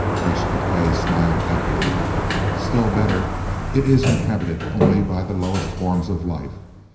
Gresth Gkae smiled happily. "Still better it is inhabited only by the lowest forms of life.